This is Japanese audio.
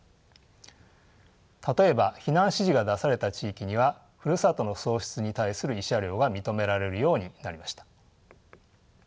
例えば避難指示が出された地域にはふるさとの喪失に対する慰謝料が認められるようになりました。